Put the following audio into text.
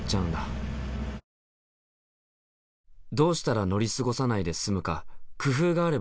どうしたら乗り過ごさないで済むか工夫があれば教えて下さい。